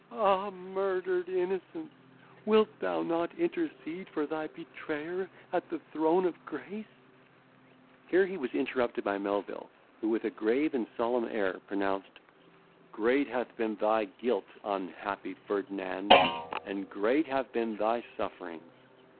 Ah, murdered innocence! wilt thou not intercede for thy betrayer at the throne of grace!" Here he was interrupted by Melvil, who with a grave and solemn air pronounced, "Great hath been thy guilt, unhappy Ferdinand, and great have been thy sufferings.